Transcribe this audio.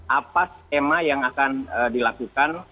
apa skema yang akan dilakukan